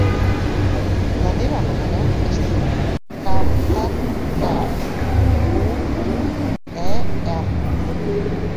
La meva mare es diu Kawtar Quer: cu, u, e, erra.